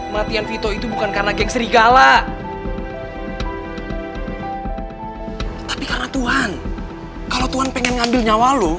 matian vito itu bukan karena geng serigala tapi karena tuhan kalau tuhan pengen ngambil nyawa lo